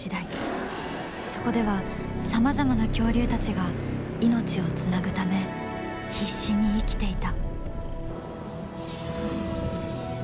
そこではさまざまな恐竜たちが命をつなぐため必死に生きていた。